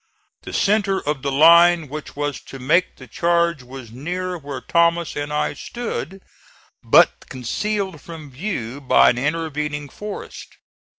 The centre of the line which was to make the charge was near where Thomas and I stood, but concealed from view by an intervening forest.